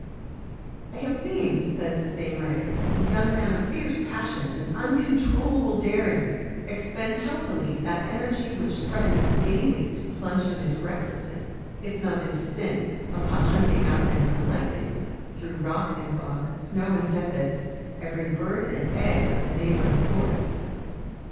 " I have seen," says the same writer, " the young man of fierce passions and uncontrollable daring expend healthily that energy which threat ened daily to plunge him into recklessness, if not into sin, upon hunting out and collecting, through rock and bog, snow and tempest, every bird and egg of the neighbouring forest.